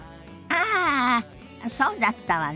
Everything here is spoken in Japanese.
ああそうだったわね。